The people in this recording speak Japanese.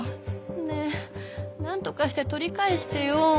ねえなんとかして取り返してよ。